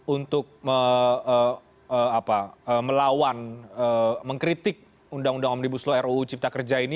untuk melawan mengkritik undang undang omnibus law ruu cipta kerja ini